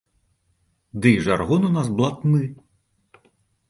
Ды і жаргон у нас блатны!